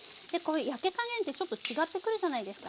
焼け加減ってちょっと違ってくるじゃないですか。